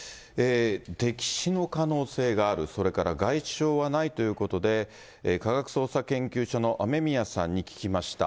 溺死の可能性がある、それから外傷はないということで、科学捜査研究所の雨宮さんに聞きました。